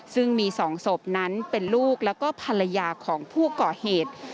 ซึ่งมี๒ศพนั้นเป็นลูกแล้วก็ภรรยาของผู้ก่อเหตุ